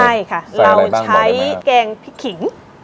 ใช่ค่ะเราใช้แกงพริกขิง